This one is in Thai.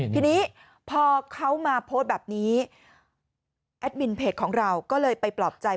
ทีนี้พอเขามาโพสต์แบบนี้แอดมินเพจของเราก็เลยไปปลอบใจ